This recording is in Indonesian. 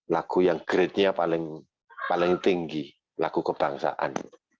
lagu yang grade nya paling tinggi lagu kebangsaan